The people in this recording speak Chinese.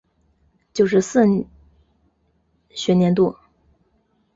九十四学年度